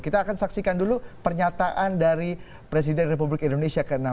kita akan saksikan dulu pernyataan dari presiden republik indonesia ke enam